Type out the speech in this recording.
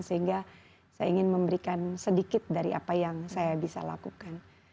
sehingga saya ingin memberikan sedikit dari apa yang saya bisa lakukan